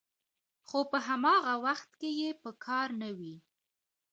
خو په هماغه وخت کې یې په کار نه وي